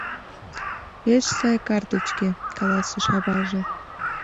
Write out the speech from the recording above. — Пеш сай картычке, — каласыш аваже.